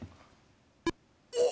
おっ！